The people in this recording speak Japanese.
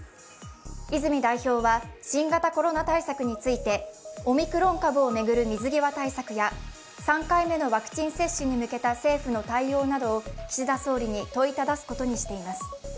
泉代表は新型コロナ対策についてオミクロン株を巡る水際対策や３回目のワクチン接種に向けた政府の対応などを岸田総理に問いただすことにしています。